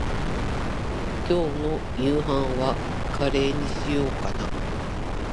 今日の夕飯はカレーにしようかな。